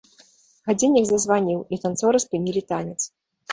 Гадзіннік зазваніў, і танцоры спынілі танец.